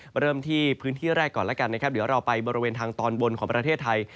เริ่มที่พื้นที่แรกก่อนแล้วกันนะครับเดี๋ยวเราไปบริเวณทางตอนบนของประเทศไทย